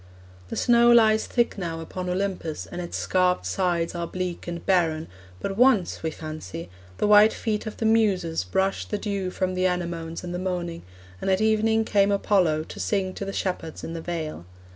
The snow lies thick now upon Olympus, and its scarped sides are bleak and barren, but once, we fancy, the white feet of the Muses brushed the dew from the anemones in the morning, and at evening came Apollo to sing to the shepherds in the vale.